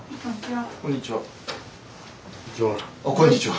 あっこんにちは。